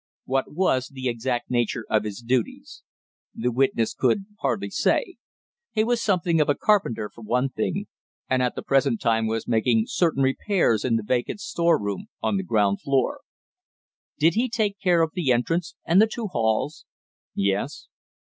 What was the exact nature of his duties? The witness could hardly say; he was something of a carpenter for one thing, and at the present time was making certain repairs in the vacant store room on the ground floor. Did he take care of the entrance and the two halls? Yes.